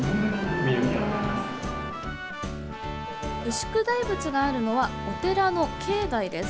牛久大仏があるのはお寺の境内です。